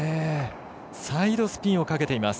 サイドスピンをかけています。